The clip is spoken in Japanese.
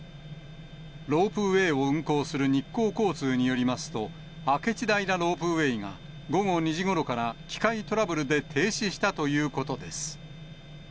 ロープウエーを運行する日光交通によりますと、明智平ロープウェイが、午後２時ごろから、機械トラブルで停止したということです。